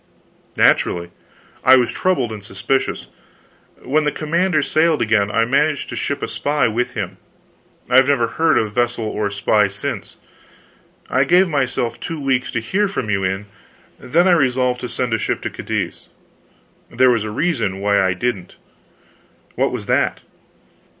"Naturally. I was troubled and suspicious. When the commander sailed again I managed to ship a spy with him. I have never heard of vessel or spy since. I gave myself two weeks to hear from you in. Then I resolved to send a ship to Cadiz. There was a reason why I didn't." "What was that?"